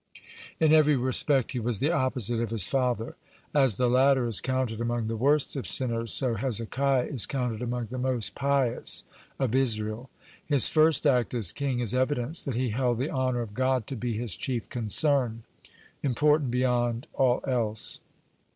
(47) In every respect he was the opposite of his father. As the latter is counted among the worst of sinners, so Hezekiah is counted among the most pious of Israel. His first act as king is evidence that he held the honor of God to be his chief concern, important beyond all else.